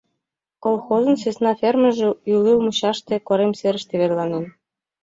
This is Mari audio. Колхозын сӧсна фермыже ӱлыл мучаште, корем серыште верланен.